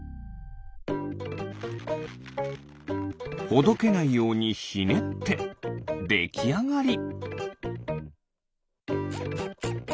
ほどけないようにひねってできあがり。